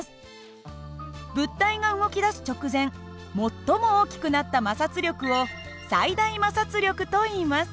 物体が動きだす直前最も大きくなった摩擦力を最大摩擦力といいます。